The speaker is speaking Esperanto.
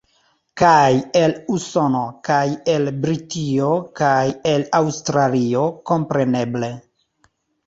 Kaj el Usono, kaj el Britio, kaj el Aŭstralio, kompreneble.